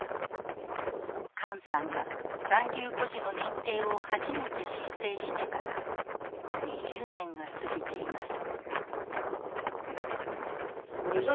管さんが残留孤児の認定を初めて申請してから２０年が過ぎています。